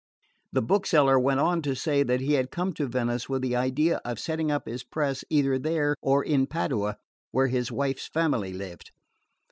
The bookseller went on to say that he had come to Venice with the idea of setting up his press either there or in Padua, where his wife's family lived.